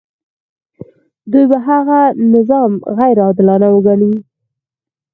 دوی به هغه نظام غیر عادلانه وګڼي.